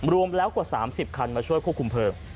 รวมแล้วกว่า๓๐คันมาช่วยควบคุมเพลิง